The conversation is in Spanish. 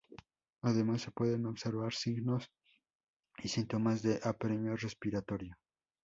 Además, se pueden observar signos y síntomas de apremio respiratorio.